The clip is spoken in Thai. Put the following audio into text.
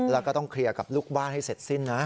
แล้วก็ต้องเคลียร์กับลูกบ้านให้เสร็จสิ้นนะ